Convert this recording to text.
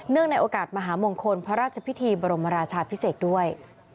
ในโอกาสมหามงคลพระราชพิธีบรมราชาพิเศษด้วย